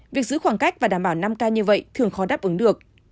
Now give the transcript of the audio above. việc giữ khoảng cách và đảm bảo năm k như vậy thường khó đáp ứng được